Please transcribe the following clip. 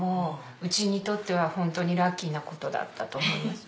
うちにとってはホントにラッキーなことだったと思います。